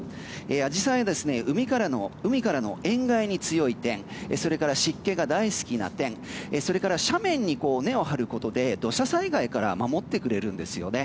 アジサイは海からの塩害に強い点それから湿気が大好きな点それから斜面に根を張ることで土砂災害から守ってくれるんですよね。